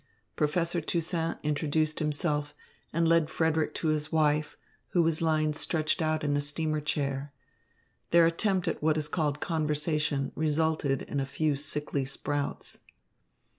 Professor Toussaint introduced himself, and led Frederick to his wife, who was lying stretched out in a steamer chair. Their attempt at what is called conversation resulted in a few sickly sprouts.